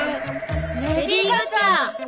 レディ・ガチャ！？